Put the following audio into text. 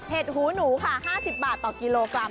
หูหนูค่ะ๕๐บาทต่อกิโลกรัม